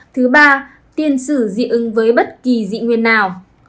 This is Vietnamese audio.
thứ ba tiên sử dị ứng với bất kỳ dị nguyên nào